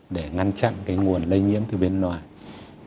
để ngăn chặn cái nguồn lây nhiễm từ bên ngoài